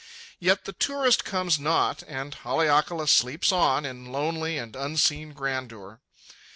Yet the tourist comes not, and Haleakala sleeps on in lonely and unseen grandeur.